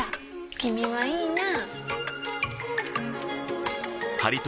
君はいいなぁ。